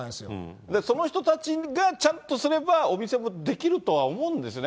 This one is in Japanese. その人たちがちゃんとすれば、お店もできるとは思うんですね。